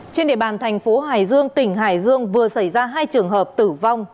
trên địa bàn thành phố hải dương tỉnh hải dương vừa xảy ra hai trường hợp tử vong